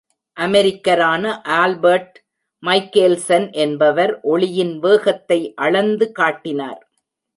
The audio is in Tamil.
அமெரிக்கரான ஆல்பர்ட் மைகேல்சன் என்பவர் ஒளியின் வேகத்தை அளந்து காட்டினார்!